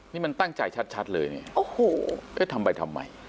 นี่มันตั้งใจชัดเลยทำไม